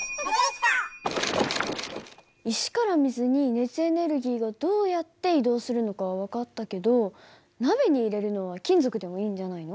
石から水に熱エネルギーがどうやって移動するのかは分かったけど鍋に入れるのは金属でもいいんじゃないの？